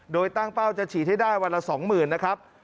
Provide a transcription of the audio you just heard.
โดยตั้งเป้าจะฉีดให้ได้วันละ๒๐๐๐นะครับ